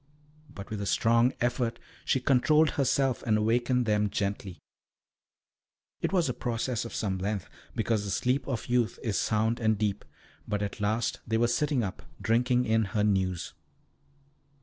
But with a strong effort she controlled herself and awakened them gently. It was a process of some length, because the sleep of youth is sound and deep, but at last they were sitting up, drinking in her news.